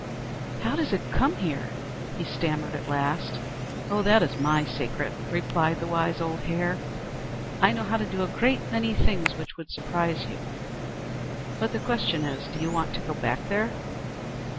"How does it come here?" he stammered, at last. "Oh, that is my secret," replied the wise old Hare. "I know how to do a great many things which would surprise you. But the question is, do you want to go back there?"